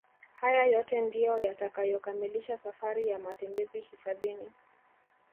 Haya yote ndio yatakayokamilisha safari ya matembezi hifadhini